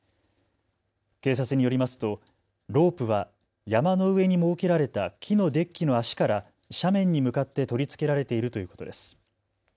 警察によりますとロープは山の上に設けられた木のデッキの脚から斜面に向かって取り付けられているということです。